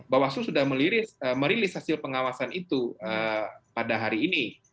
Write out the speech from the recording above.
bawaslu sudah merilis hasil pengawasan itu pada hari ini